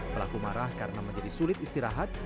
pelaku marah karena menjadi sulit istirahat